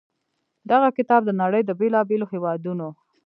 دغه کتاب د نړۍ د بېلا بېلو هېوادونو